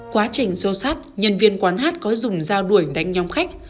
quá trình xô sát nhân viên quán hát có dùng dao đuổi đánh nhóm khách